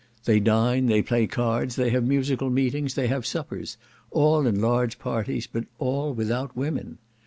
They dine, they play cards, they have musical meetings, they have suppers, all in large parties but all without women.